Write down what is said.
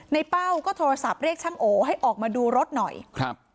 เป้าก็โทรศัพท์เรียกช่างโอให้ออกมาดูรถหน่อยครับ